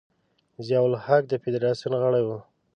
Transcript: ضیا الحق د فدراسیون غړی و.